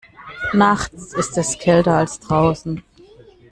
Nachts ist es kälter als draußen.